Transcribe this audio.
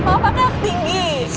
mama naik tinggi